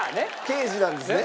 刑事なんですね。